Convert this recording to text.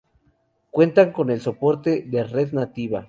Cuentan con el soporte de red nativa.